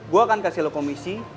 gue akan kasih lo komisi